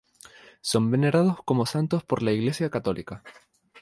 Son venerados como santos por la iglesia católica.